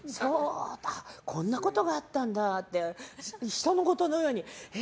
こんなことがあったんだって人のことのようにえ？